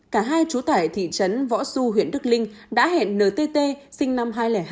cả hai chú tải thị trấn võ xu huyện đức linh đã hẹn ntt sinh năm hai nghìn hai